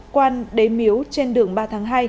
quan đế miếu trên đường ba tháng hai